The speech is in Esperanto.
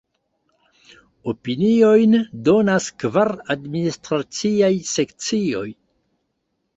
Opiniojn donas kvar administraciaj sekcioj.